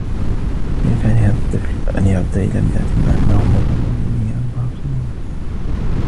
بإمكان هذا الطفل أن يعد إلى مئة مع أنه ما زال لديه أربع سنوات.